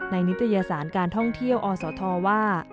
นิตยสารการท่องเที่ยวอสทว่า